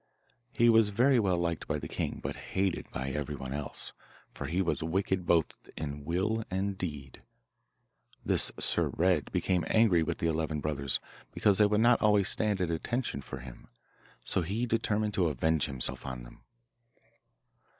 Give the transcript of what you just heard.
He was very well liked by the king, but hated by everyone else, for he was wicked both in will and deed. This Sir Red became angry with the eleven brothers, because they would not always stand at attention for him, so he determined to avenge himself on them.